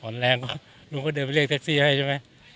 แรงมากลุงก็เดินไปเรียกแท็กซี่ให้ใช่ไหม